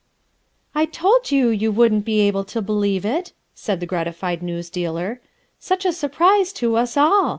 "I told you you wouldn't be able to behove it/' said the gratified news dealer. "Such a surprise to us all